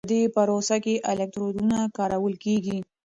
په دې پروسه کې الکترودونه کارول کېږي.